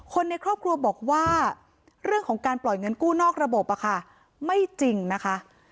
คนในครอบครัวบอกว่าเรื่องของการปล่อยเงินกู้นอกระบบอะค่ะไม่จริงนะคะ